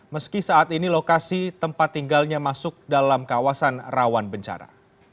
meski saat ini lokasi tempat tinggalnya masuk dalam kawasan rawan bencana